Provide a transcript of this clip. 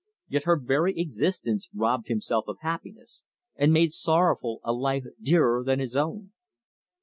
Yet her very existence robbed himself of happiness, and made sorrowful a life dearer than his own.